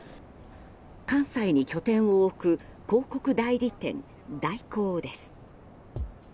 関西に拠点を置く広告代理店大広です。